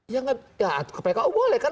ya atur ke pku boleh kan